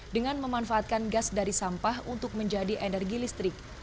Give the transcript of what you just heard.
dengan memanfaatkan gas dari sampah untuk menjadi energi listrik